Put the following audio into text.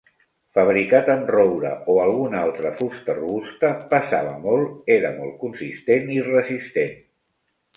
Fabricat amb roure o alguna altra fusta robusta, pesava molt, era molt consistent i resistent.